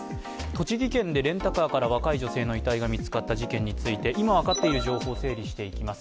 栃木県でレンタカーから若い女性の遺体が見つかった事件について今分かっている情報を整理していきます。